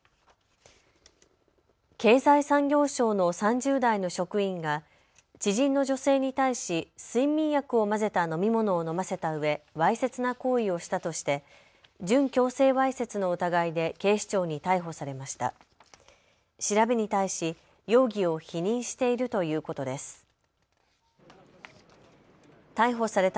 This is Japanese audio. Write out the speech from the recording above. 経済産業省の３０代の職員が知人の女性に対し睡眠薬を混ぜた飲み物を飲ませたうえわいせつな行為をしたとして準強制わいせつの疑いで警視庁に逮捕されました。